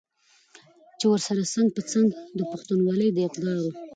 چې ورسره څنګ په څنګ د پښتونولۍ د اقدارو